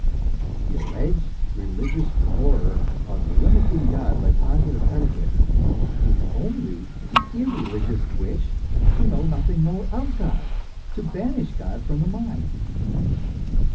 The alleged religious horror of limiting God by positive predicates, is only the irreligious wish to know nothing more of God, to banish God from the mind.